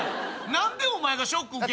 何でお前がショック受けんの？